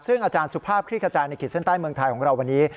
ซึ่งอาจารย์สุภาพคลี่ขจายในขีดเส้นใต้เมืองไทยของเราวันนี้